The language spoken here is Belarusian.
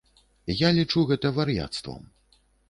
Я лічу гэта вар'яцтвам.